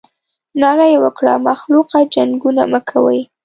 ناره یې وکړه مخلوقه جنګونه مه کوئ.